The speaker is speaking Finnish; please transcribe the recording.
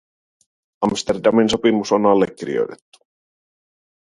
Amsterdamin sopimus on allekirjoitettu.